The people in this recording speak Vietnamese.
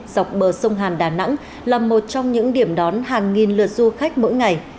dọc bờ sông hàn đà nẵng là một trong những điểm đón hàng nghìn lượt du khách mỗi ngày